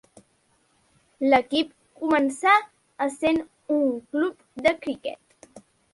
L'equip començà essent un club de criquet.